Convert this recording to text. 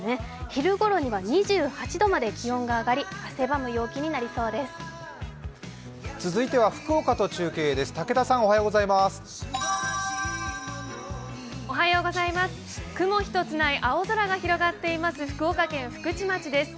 昼ごろには２８度まで気温が上がり汗ばむ陽気になりそうです。